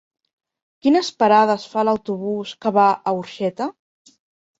Quines parades fa l'autobús que va a Orxeta?